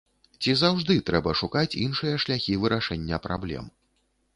Ці заўжды трэба шукаць іншыя шляхі вырашэння праблем?